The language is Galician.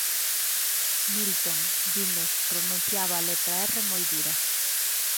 Milton, dinos, “pronunciaba a letra R moi dura”.